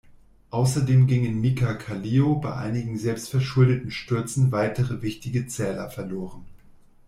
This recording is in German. Außerdem gingen Mika Kallio bei einigen selbst verschuldeten Stürzen weitere wichtige Zähler verloren.